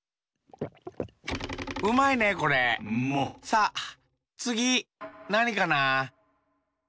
さあつぎなにかな？